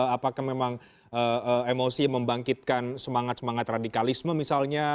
apakah memang emosi membangkitkan semangat semangat radikalisme misalnya